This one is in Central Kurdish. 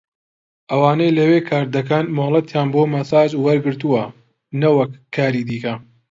ئەوانەی لەوێ کاردەکەن مۆڵەتیان بۆ مەساج وەرگرتووە نەوەک کاری دیکە